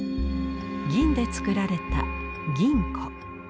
銀で作られた「銀壺」。